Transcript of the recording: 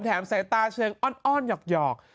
แถมใส่ตาเชิงอ้อนหยอก